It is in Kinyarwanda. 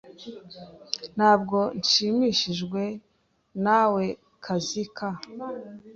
Ntabwo nshimishijwe nawekazi ka .